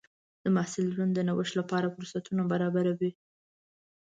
د محصل ژوند د نوښت لپاره فرصتونه برابروي.